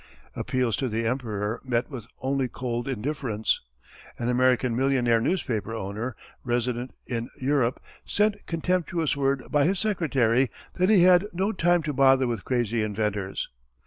Appeals to the Emperor met with only cold indifference. An American millionaire newspaper owner, resident in Europe, sent contemptuous word by his secretary that he "had no time to bother with crazy inventors."